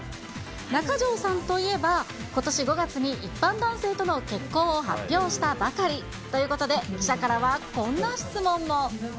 中条さんといえば、ことし５月に一般男性との結婚を発表したばかり。ということで、記者からはこんな質問も。